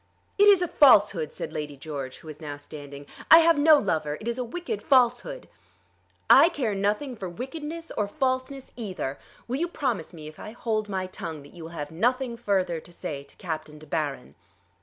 "It is a falsehood," said Lady George, who was now standing. "I have no lover. It is a wicked falsehood." "I care nothing for wickedness or falseness either. Will you promise me if I hold my tongue that you will have nothing further to say to Captain De Baron?"